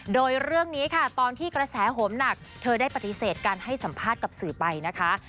โดยเรื่องนี้ค่ะตอนที่กระแสโหมหนักเธอได้ปฏิเสธการให้สัมภาษณ์กับสื่อไปนะคะ